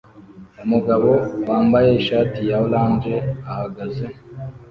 Umugabo wambaye ishati ya orange ahagaze